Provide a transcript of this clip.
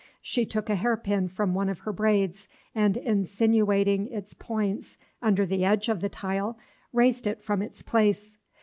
She took a hair pin from one of her braids, and, insinuating its points under the edge of the tile, raised it from its place.